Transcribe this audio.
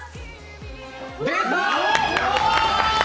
出た！